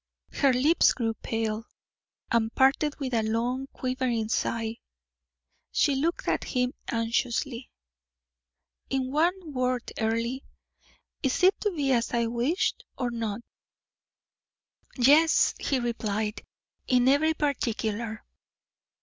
Her lips grew pale, and parted with a long, quivering sigh; she looked at him anxiously. "In one word, Earle, is it to be as I wished or not?" "Yes," he replied, "in every particular."